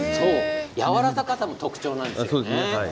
やわらかさも特徴なんですね。